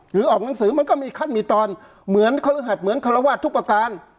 ออกหนังสือมันก็มีขั้นมีตอนเหมือนคฤหัสเหมือนคารวาสทุกประการ